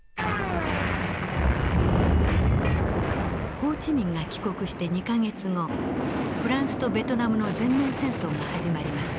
ホー・チ・ミンが帰国して２か月後フランスとベトナムの全面戦争が始まりました。